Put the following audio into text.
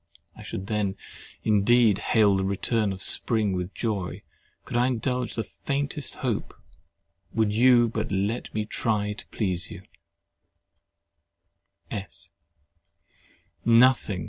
I should then indeed hail the return of spring with joy, could I indulge the faintest hope—would you but let me try to please you! S.